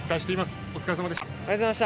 お疲れさまでした。